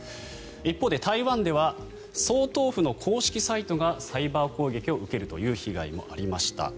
一方で、台湾では総統府の公式サイトがサイバー攻撃を受けるという被害もありました。